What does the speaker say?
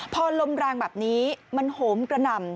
พอลมแรงแบบนี้มันโหมกระหน่ำ